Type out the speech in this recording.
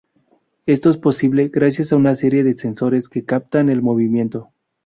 Esto es posible gracias a una serie de sensores que captan el movimiento.